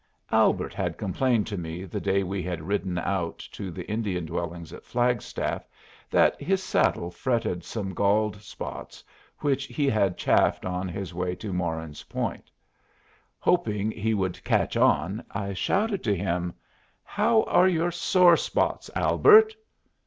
Albert had complained to me the day we had ridden out to the Indian dwellings at Flagstaff that his saddle fretted some galled spots which he had chafed on his trip to Moran's Point. Hoping he would "catch on," I shouted to him, "How are your sore spots, Albert?"